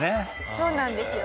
そうなんですよ。